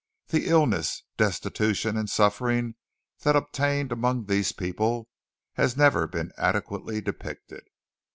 The illness, destitution, and suffering that obtained among these people has never been adequately depicted.